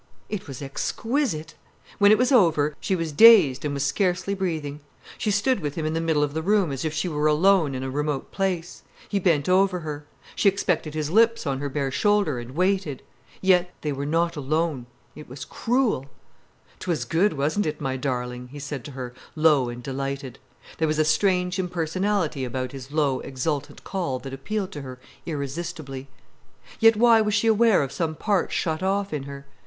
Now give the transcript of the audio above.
It was exquisite. When it was over, she was dazed, and was scarcely breathing. She stood with him in the middle of the room as if she were alone in a remote place. He bent over her. She expected his lips on her bare shoulder, and waited. Yet they were not alone, they were not alone. It was cruel. "'Twas good, wasn't it, my darling?" he said to her, low and delighted. There was a strange impersonality about his low, exultant call that appealed to her irresistibly. Yet why was she aware of some part shut off in her?